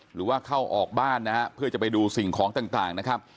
หรือว่าเข้าออกบ้านนะฮะเพื่อจะไปดูสิ่งของต่างนะครับ